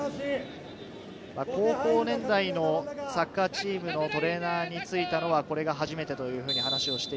高校年代のサッカーチームのトレーナーについたのはこれが初めてというふうに話をしてい